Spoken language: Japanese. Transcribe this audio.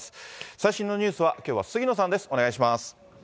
最新のニュースはきょうは、杉野さんです。